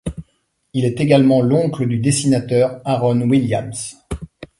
Il est également l'oncle du dessinateur Aaron Williams.